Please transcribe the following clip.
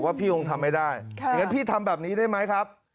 พี่คงทำไม่ได้อย่างนั้นพี่ทำแบบนี้ได้ไหมครับ